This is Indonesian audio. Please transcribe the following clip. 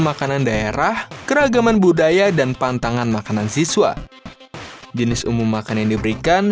makanan daerah keragaman budaya dan pantangan makanan siswa jenis umum makan yang diberikan